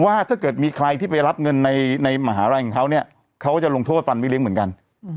ถ้าเกิดมีใครที่ไปรับเงินในมหาลัยของเขาเนี่ยเขาก็จะลงโทษฟันไม่เลี้ยงเหมือนกัน